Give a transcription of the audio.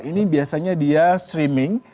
ini biasanya dia streaming